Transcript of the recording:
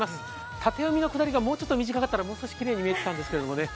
縦読みの下りがもうちょっと短かったら、もう少しきれいに見えてたんですけどね。